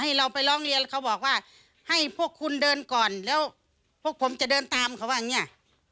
เราไปร้องเรียนเขาบอกว่าให้พวกคุณเดินก่อนแล้วพวกผมจะเดินตามเขาว่าอย่างนี้